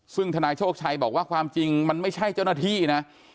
ซึ่งธนายโชคชัยบอกว่าความจริงมันไม่ใช่เจ้าหน้าที่นะ